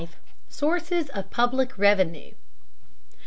SOURCES OF PUBLIC REVENUE.